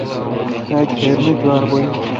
تا کھیر می جوار بھویل۔